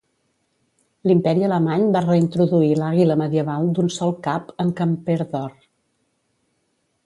L'imperi Alemany va reintroduir l'àguila medieval d'un sol cap en camper d'or.